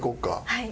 はい。